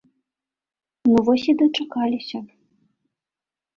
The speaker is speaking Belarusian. Ну вось і дачакаліся.